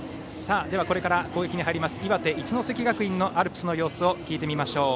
では、これから攻撃に入る岩手・一関学院のアルプスの様子を聞いてみましょう。